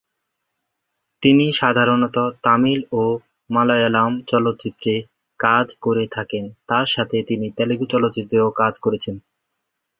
তিনি সাধারণত তামিল এবং মালয়ালম চলচ্চিত্রে কাজ করে থাকেন, তার সাথে তিনি তেলুগু চলচ্চিত্রেও কাজ করেছেন।